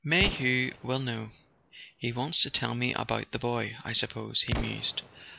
"Mayhew will know; he wants to tell me about the boy, I suppose," he mused.